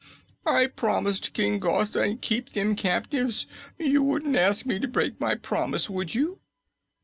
"I promised King Gos I'd keep them captives. You wouldn't ask me to break my promise, would you?"